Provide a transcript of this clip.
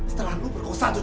setelah lo berkosa sama cewek